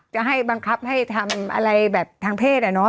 จะให้บังคับให้ทำอะไรแบบทางเพศอะเนาะ